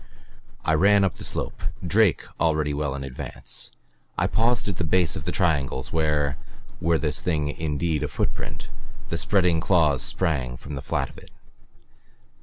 I ran up the slope Drake already well in advance. I paused at the base of the triangles where, were this thing indeed a footprint, the spreading claws sprang from the flat of it.